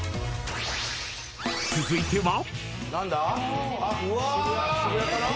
［続いては］